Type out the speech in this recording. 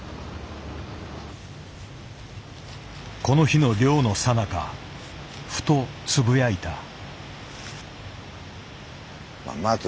この日の猟のさなかふとつぶやいた。